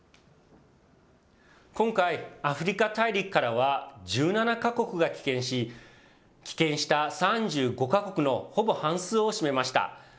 今回、アフリカ大陸からは、１７か国が棄権し、棄権した３５か国のほぼ半数を占めました。